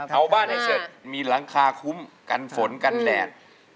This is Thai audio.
เอาบ้านให้เสร็จมีหลังคาคุ้มกันฝนกันแดด